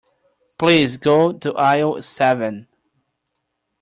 Please go to aisle seven.